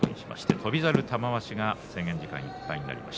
翔猿、玉鷲が制限時間いっぱいです。